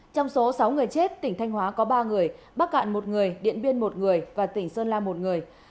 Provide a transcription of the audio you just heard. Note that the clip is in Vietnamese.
trong số sáu người chết tỉnh thanh hóa có ba người bắc cạn một người điện biên một người và tỉnh sơn la một người